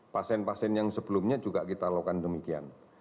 pasien pasien yang sebelumnya juga kita lakukan demikian